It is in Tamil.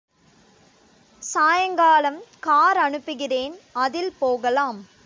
சாயங்காலம் கார் அனுப்புகிறேன் அதில் போகலாம்.